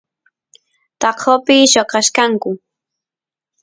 taqopi lloqachkanku